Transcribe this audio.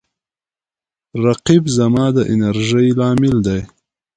رقیب زما د انرژۍ لامل دی